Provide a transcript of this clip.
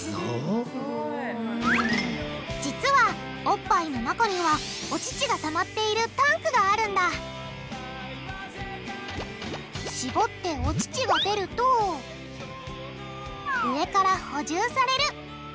実はおっぱいの中にはお乳がたまっているタンクがあるんだしぼってお乳が出ると上から補充される。